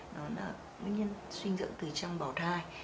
nó là nguyên nhân suy dinh dưỡng từ trong bỏ thai